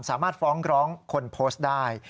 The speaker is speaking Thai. สามารถฟ้องร้องคนโพสต์ได้